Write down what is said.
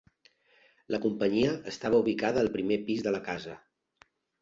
La companyia estava ubicada al primer pis de la casa.